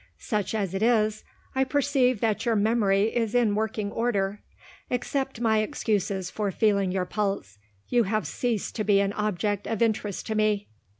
Such as it is, I perceive that your memory is in working order. Accept my excuses for feeling your pulse. You have ceased to be an object of interest to me."